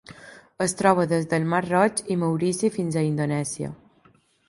Es troba des del mar Roig i Maurici fins a Indonèsia.